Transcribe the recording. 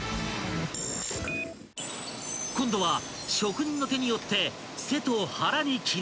［今度は職人の手によって］